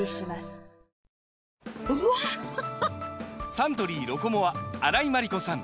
サントリー「ロコモア」荒井眞理子さん